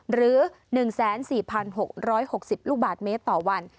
หรือ๑๔๖๖๐ลูกบาทเมตรต่อวัน